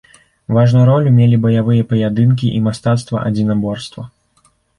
Важную ролю мелі баявыя паядынкі і мастацтва адзінаборства.